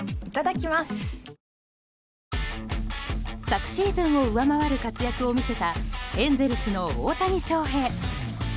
昨シーズンを上回る活躍を見せたエンゼルスの大谷翔平。